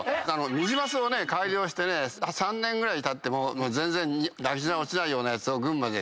ニジマスを改良してね３年ぐらいたっても全然味が落ちないようなやつを群馬でつくってる。